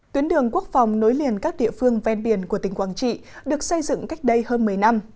tuyến đường quốc phòng nối liền các địa phương ven biển của tỉnh quảng trị được xây dựng cách đây hơn một mươi năm